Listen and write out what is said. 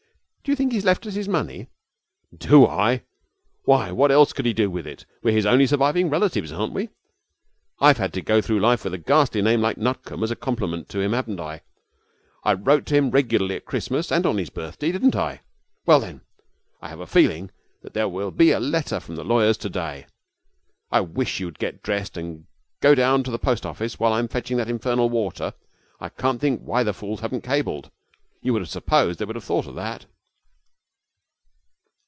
'Do you think he has left us his money?' 'Do I? Why, what else could he do with it? We are his only surviving relatives, aren't we? I've had to go through life with a ghastly name like Nutcombe as a compliment to him, haven't I? I wrote to him regularly at Christmas and on his birthday, didn't I? Well, then! I have a feeling there will be a letter from the lawyers to day. I wish you would get dressed and go down to the post office while I'm fetching that infernal water. I can't think why the fools haven't cabled. You would have supposed they would have thought of that.'